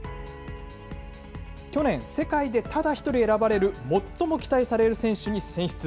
去年、世界でただ１人選ばれる最も期待される選手に選出。